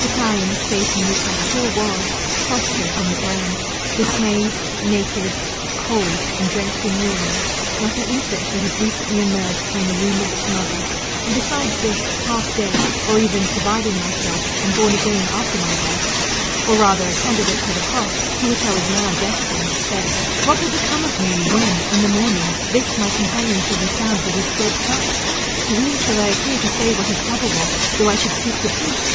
But I, in the state in which I still was, prostrate on the ground, dismayed, naked, cold, and drenched in urine, like an infant that has recently emerged from the womb of its mother, and, besides, this, half dead, or even surviving myself, and born again after, my death, or rather a candidate for the cross, to which I was now destined; said. What will become of me, when, in the morning, this my companion shall be found with his throat cut ? To whom shall I appear to say what is probable, though I should speak the truth